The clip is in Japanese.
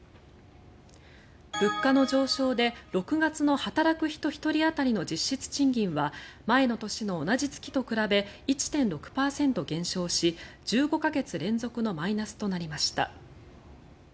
物価の上昇で６月の働く人１人当たりの実質賃金は前の年の同じ月と比べ１．６％減少し１５か月連続のマイナスとなりました。